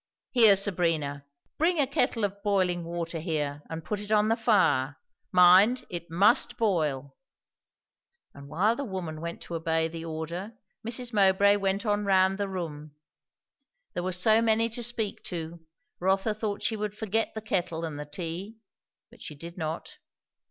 Here, Sabrina, bring a kettle of boiling water here and put it on the fire; mind, it must boil." And while the woman went to obey the order, Mrs. Mowbray went on round the room. There were so many to speak to, Rotha thought she would forget the kettle and the tea; but she did not.